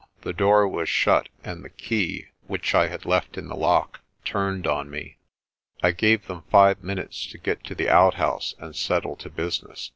The door was shut and the key, which I had left in the lock, turned on me. I gave them five minutes to get to the outhouse and settle to business.